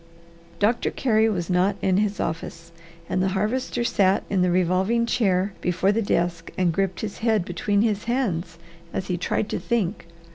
Doctor Carey was not in his office, and the Harvester sat in the revolving chair before the desk and gripped his head between his hands as he tried to think.